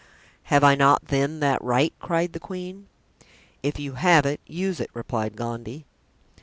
"Have I not, then, that right?" cried the queen. "If you have it, use it," replied Gondy.